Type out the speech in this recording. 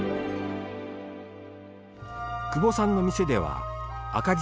久保さんの店では赤じ